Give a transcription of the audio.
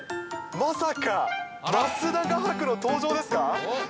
まさか、増田画伯の登場ですか？